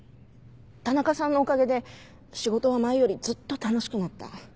⁉田中さんのおかげで仕事は前よりずっと楽しくなった。